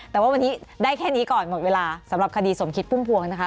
แต่ว่าวันนี้ได้แค่นี้ก่อนหมดเวลาสำหรับคดีสมคิดพุ่มพวงนะคะ